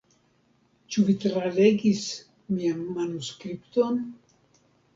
Ĉu vi tralegis mian manuskripton?